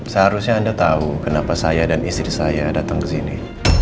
seharusnya anda tau kenapa saya dan istri saya datang kesini